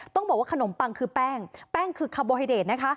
ต้องบอกว่าขนมปังคือแป้งแป้งคือคาร์โบไฮเดตนะคะ